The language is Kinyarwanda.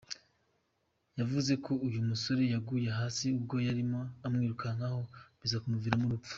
Yavuze ko uyu musore yaguye hasi ubwo yarimo amwirukankaho biza kumuviramo urupfu.